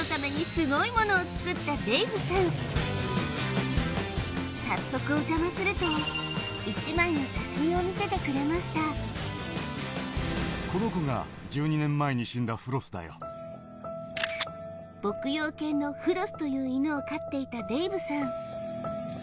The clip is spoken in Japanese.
こちらが早速お邪魔すると一枚の写真を見せてくれました牧羊犬のフロスという犬を飼っていたデイブさん